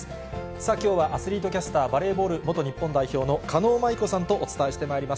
さあ、きょうはアスリートキャスター、バレーボール元日本代表の狩野舞子さんとお伝えしてまいります。